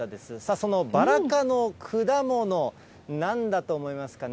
そのバラ科の果物、なんだと思いますかね。